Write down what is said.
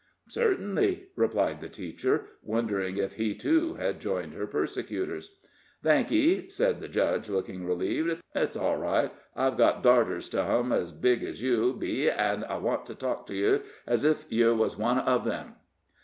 "Certainly," replied the teacher, wondering if he, too, had joined her persecutors. "Thank ye," said the judge, looking relieved. "It's all right. I've got darters to hum ez big ez you be, an' I want to talk to yer ez ef yer was one uv 'em."